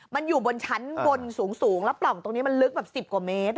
มันอยู่บนชั้นบนสูงแล้วปล่องตรงนี้มันลึกแบบ๑๐กว่าเมตร